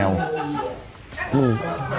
น่ารักนิสัยดีมาก